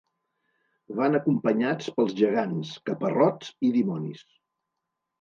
Van acompanyats pels gegants, caparrots i dimonis.